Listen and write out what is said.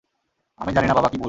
আর জানি না বাবা কি বলবে?